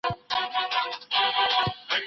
هغه بله ممکن د بل چا د جرم سزا زغمي